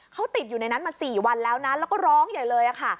เขาติดอยู่ในนั้นมา๔วันแล้วนะแล้วก็ร้องใหญ่เลยค่ะ